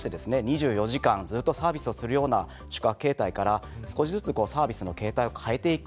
２４時間ずっとサービスをするような宿泊形態から少しずつサービスの形態を変えていく。